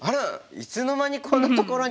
いつの間にこんな所に。